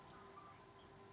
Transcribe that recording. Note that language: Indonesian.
pak rizka selamat sore juga pak